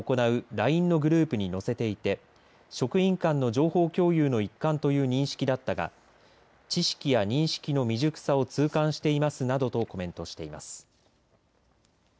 ＬＩＮＥのグループに載せていて職員間の情報共有の一環という認識だったが知識や認識の未熟さを痛感していますなどとコメントしています。